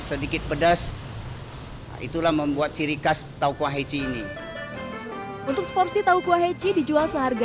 sedikit pedas itulah membuat ciri khas tahu kuah heci ini untuk sporsi tahu kuah heci dijual seharga